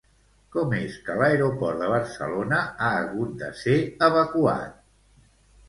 Com és que l'aeroport de Barcelona ha hagut de ser evacuat?